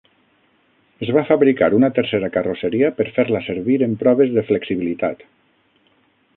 Es va fabricar una tercera carrosseria per fer-la servir en proves de flexibilitat.